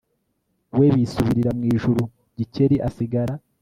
we bisubirira mu ijuru Gikeli asigara